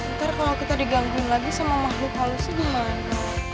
ntar kalau kita digangguin lagi sama makhluk halusnya gimana